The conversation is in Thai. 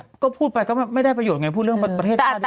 ไปดูมันก็ไม่ได้ประโยชน์ไงมาพูดเรื่องประเทศชาติดีกว่าเนี่ย